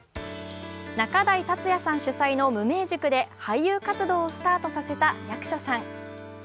仲代達矢さん主催の無名塾で俳優活動をスタートさせた役所さん。